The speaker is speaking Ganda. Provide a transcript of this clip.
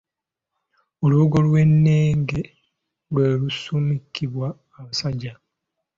Olubugo olwennenge lwe lusumikibwa basajja.